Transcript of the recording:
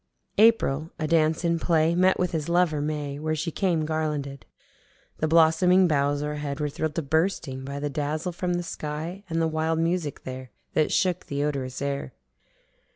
April adance in play met with his lover May where she came garlanded. The blossoming boughs o'erhead were thrill'd to bursting by the dazzle from the sky and the wild music there that shook the odorous air.